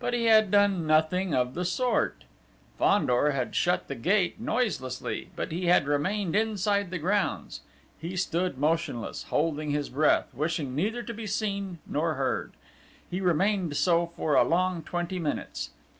But he had done nothing of the sort! Fandor had shut the gate noiselessly, but he had remained inside the grounds. He stood motionless, holding his breath, wishing neither to be seen nor heard. He remained so for a long twenty minutes.